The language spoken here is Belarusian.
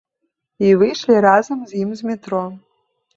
І выйшлі разам з ім з метро.